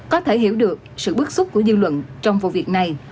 có thể hiểu được sự bức xúc của dư luận trong vụ việc này